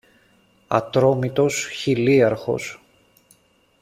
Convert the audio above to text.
Ατρόμητος, χιλίαρχος